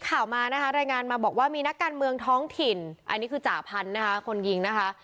ข่าวมานะคะรายงานมาบอกว่ามีนักการเมืองท้องถิ่นอันนี้คือจ่าพันธุ์นะคะคนยิงนะคะ